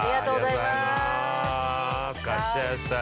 ◆買っちゃいましたよ。